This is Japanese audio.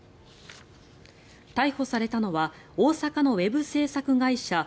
逮捕されたのは大阪のウェブ制作会社